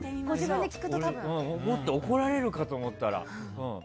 もっと怒られると思った。